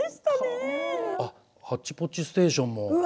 あっ「ハッチポッチステーション」も。